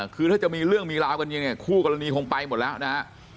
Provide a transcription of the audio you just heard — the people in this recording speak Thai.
คือถ้าจะมีเรื่องมีราวกันจริงเนี่ยคู่กรณีคงไปหมดแล้วนะฮะ